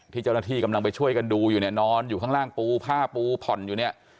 ที่เจ้าหน้าที่กำลังไปช่วยกันดูอยู่เนี่ยนอนอยู่ข้างล่างปูผ้าปูผ่อนอยู่เนี่ย